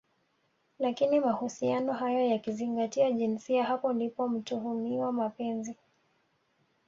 lakini mahusiano hayo yakizingatia jinsia hapo ndipo mtuhumiwa Mapenzi